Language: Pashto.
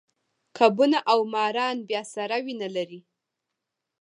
کبونه او ماران بیا سړه وینه لري